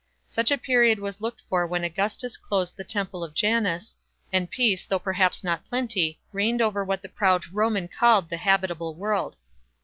Such a period was looked for when Augustus closed the temple of Janus, and peace, though perhaps not plenty, reigned over what the proud Roman called the habitable world.